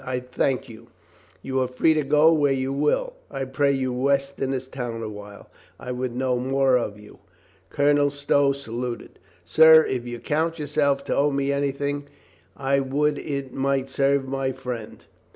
I thank you. You are free to go where you will. I pray you rest in this town a while. I would know more of you." Colonel Stow saluted, "Sir, if you count yourself to owe me anything, I would it might serve my friend."